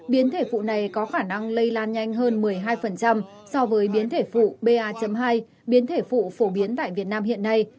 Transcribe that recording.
biến thể vụ này có khả năng lây lan nhanh hơn một mươi hai so với biến thể vụ pa hai biến thể vụ phổ biến tại việt nam hiện nay